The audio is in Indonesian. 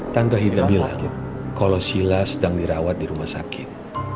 tante hilda bilang kalo shilla sedang dirawat di rumah sakit